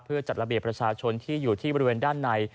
เพื่อจัดระเบียบประชาชนที่อยู่ที่บริเวณด้านใน